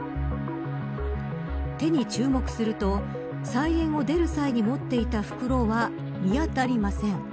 手に注目すると菜園を出る際に持っていた袋は見当たりません。